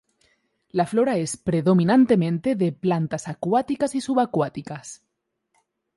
La flora es predominantemente de plantas acuáticas y subacuáticas.